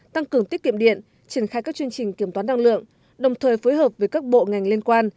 tăng cường tiết kiệm điện triển khai các chương trình kiểm toán năng lượng đồng thời phối hợp với các bộ ngành liên quan